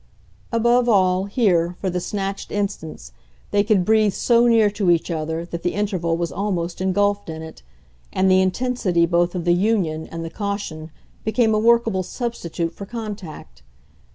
Above all, here, for the snatched instants, they could breathe so near to each other that the interval was almost engulfed in it, and the intensity both of the union and the caution became a workable substitute for contact.